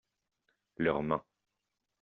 Leur main.